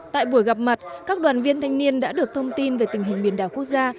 tại buổi gặp mặt các đoàn viên thanh niên đã được thông tin về tình hình biển đảo quốc gia